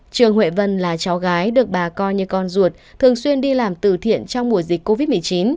trường huệ vân là cháu gái được bà coi như con ruột thường xuyên đi làm từ thiện trong mùa dịch covid một mươi chín